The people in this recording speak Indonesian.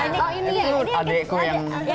nah ini adekku yang